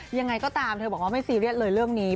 ยังไงก็ตามเธอบอกว่าไม่ซีเรียสเลยเรื่องนี้